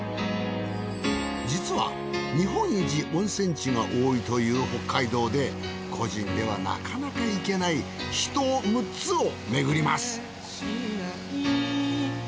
実は日本一温泉地が多いという北海道で個人ではなかなか行けない秘湯６つを巡ります。